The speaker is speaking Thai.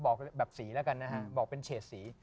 บอกแบบสีแล้วกันนะฮะบอกเป็นเฉดสี